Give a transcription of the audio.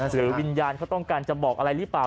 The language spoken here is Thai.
หรือวิญญาณเขาต้องการจะบอกอะไรหรือเปล่า